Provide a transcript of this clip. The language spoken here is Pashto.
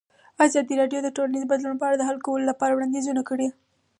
ازادي راډیو د ټولنیز بدلون په اړه د حل کولو لپاره وړاندیزونه کړي.